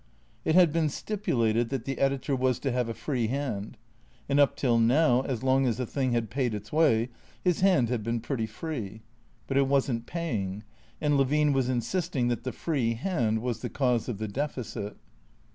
It had been stipulated that the editor was to have a free hand; and up till now, as long as the thing had paid its way, his hand had been pretty free. But it was n't paying; and Levine was insisting that the free hand was the cause of the deficit.